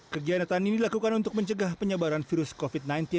kegiatan ini dilakukan untuk mencegah penyebaran virus covid sembilan belas